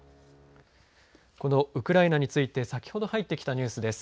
このウクライナについて先ほど入ってきたニュースです。